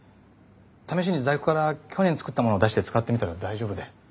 試しに在庫から去年作ったものを出して使ってみたら大丈夫で。